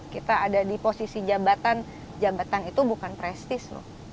kita ada di posisi jabatan jabatan itu bukan prestis loh